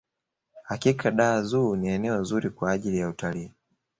hakika dar zoo ni eneo zuri kwa ajiri ya utalii